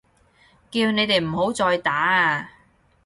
叫你哋唔好再打啊！